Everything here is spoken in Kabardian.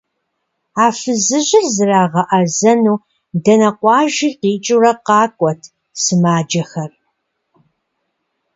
А фызыжьыр зрагъэӏэзэну дэнэ къуажи къикӏыурэ къакӏуэт сымаджэхэр.